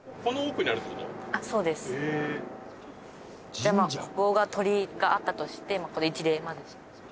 じゃあまあここが鳥居があったとしてここで一礼まずしましょう。